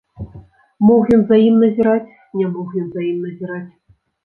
Мог ён за ім назіраць, не мог ён за ім назіраць.